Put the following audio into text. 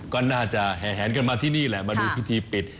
ก็น่าจะแห่แหนกันมาที่นี่แหละมาดูพิธีปิด